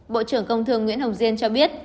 bộ trưởng công thương nguyễn hồng diên cho biết